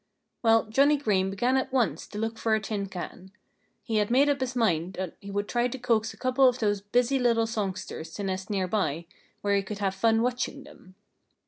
Well, Johnnie Green began at once to look for a tin can. He had made up his mind that he would try to coax a couple of those busy little songsters to nest near by, where he could have fun watching them.